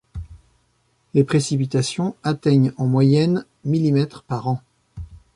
Les précipitations atteignent en moyenne mm par an.